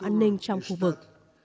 an ninh trong khu vực